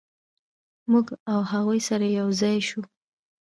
موږ او هغوی سره یو ځای شوو.